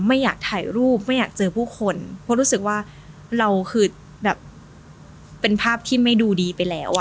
ไม่อยากถ่ายรูปไม่อยากเจอผู้คนเพราะรู้สึกว่าเราคือแบบเป็นภาพที่ไม่ดูดีไปแล้วอ่ะ